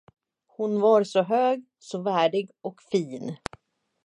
Hon var så hög, så värdig och fin.